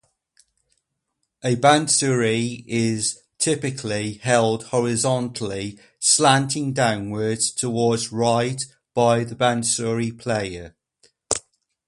A "bansuri" is typically held horizontally slanting downwards towards right by the bansuri player.